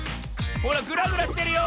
ほらグラグラしてるよ。